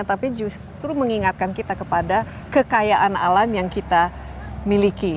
tapi justru mengingatkan kita kepada kekayaan alam yang kita miliki